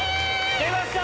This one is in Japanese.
⁉出ました！